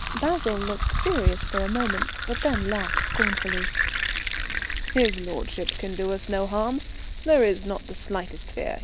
Basil looked serious for a moment, but then laughed scornfully. "His lordship can do us no harm. There is not the slightest fear.